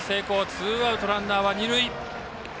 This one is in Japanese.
ツーアウトでランナー、二塁。